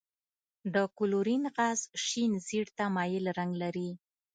د کلورین غاز شین زیړ ته مایل رنګ لري.